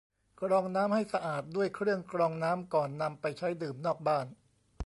กรองน้ำให้สะอาดด้วยเครื่องกรองน้ำก่อนนำไปใช้ดื่มนอกบ้าน